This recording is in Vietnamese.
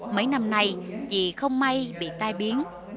mấy năm nay chị không may bị tai biến